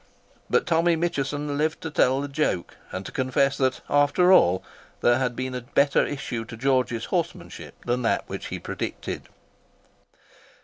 But Tommy Mitcheson lived to tell the joke, and to confess that, after all, there had been a better issue to George's horsemanship than that which he predicted.